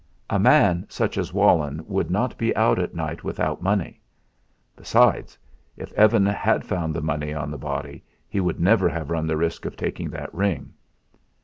A man such as Walenn would not be out at night without money. Besides, if Evan had found money on the body he would never have run the risk of taking that ring.